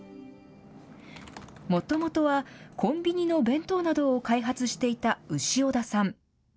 もともとは、コンビニの弁当などを開発していた潮田さん。